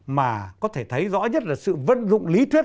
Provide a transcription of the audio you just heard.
mà có thể thấy rõ nhất là sự vận dụng lý thuyết